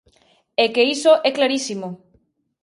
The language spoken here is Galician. ¡E que iso é clarísimo!